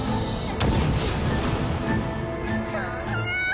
そんな。